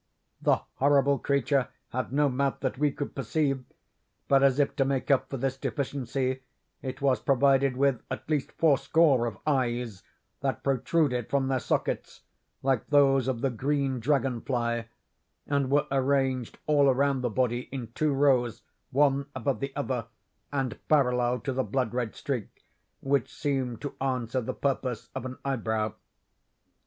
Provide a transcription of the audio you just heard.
"'This horrible creature had no mouth that we could perceive; but, as if to make up for this deficiency, it was provided with at least four score of eyes, that protruded from their sockets like those of the green dragon fly, and were arranged all around the body in two rows, one above the other, and parallel to the blood red streak, which seemed to answer the purpose of an eyebrow.